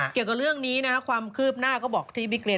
เกี่ยวกับเรื่องนี้นะครับความคืบหน้าก็บอกที่บิ๊กเรียน